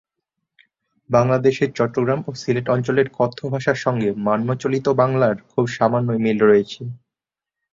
বাংলাদেশের চট্টগ্রাম ও সিলেট অঞ্চলের কথ্য ভাষার সঙ্গে মান্য চলিত বাংলার খুব সামান্যই মিল রয়েছে।